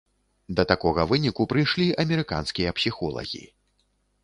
Да такога выніку прыйшлі амерыканскія псіхолагі.